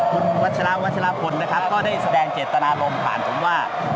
คุณวัชราวัชราพนธ์ก็ได้แสดงเจตนารมณ์ผ่านถึงว่า